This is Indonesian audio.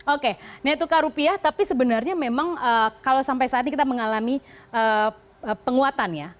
oke nilai tukar rupiah tapi sebenarnya memang kalau sampai saat ini kita mengalami penguatan ya